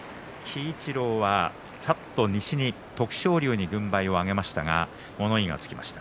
鬼一郎はさっと西、徳勝龍に軍配を上げましたが物言いです。